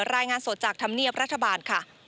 รายงานสดจากธรรมเนียบรัฐบาลค่ะ